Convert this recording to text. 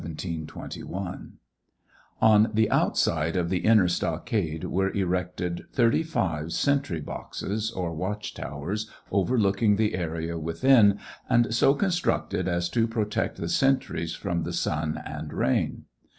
] On the outside of the inner stockade were erected 35 sentry boxes or watch towers overlooking the area within, and so constructed as to protect the sentries from the sun and rain.